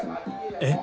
えっ。